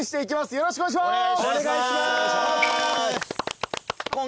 よろしくお願いします。